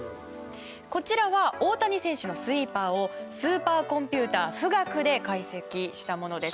こちらは大谷選手のスイーパーをスーパーコンピュータ「富岳」で解析したものです。